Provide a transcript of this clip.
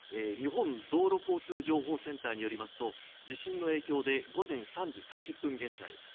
日本道路交通情報センターによりますと地震の影響で午前３時３０分現在